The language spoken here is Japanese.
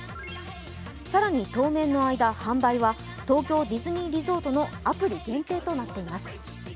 更に、当面の間、販売は東京ディズニーリゾートのアプリ限定となっています。